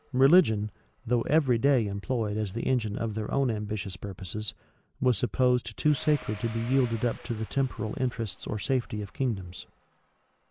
[v] Religion, though every day employed as the engine of their own ambitious purposes, was supposed too sacred to be yielded up to the temporal interests or safety of kingdoms.